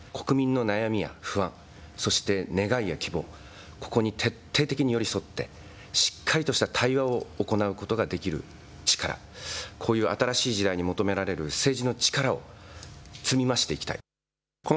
国民の悩みや不安、そして願いや希望、ここに徹底的に寄り添ってしっかりとした対話を行うことができる力、こういう新しい時代に求められる政治の力を積み増していきたい。